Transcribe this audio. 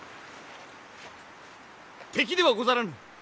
敵ではござらぬ。